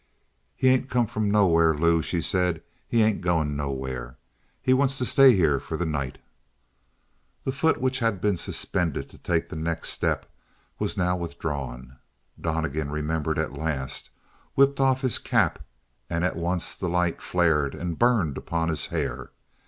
"He ain't come from nowhere, Lou," she said. "He ain't going nowhere; he wants to stay here for the night." The foot which had been suspended to take the next step was now withdrawn. Donnegan, remembered at last, whipped off his cap, and at once the light flared and burned upon his hair.